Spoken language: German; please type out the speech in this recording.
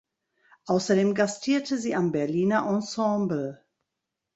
Außerdem gastierte sie am Berliner Ensemble.